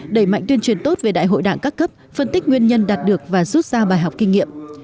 đẩy mạnh tuyên truyền tốt về đại hội đảng các cấp phân tích nguyên nhân đạt được và rút ra bài học kinh nghiệm